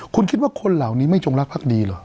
คุณคิดว่าคนเหล่านี้ไม่จงรักภักดีเหรอ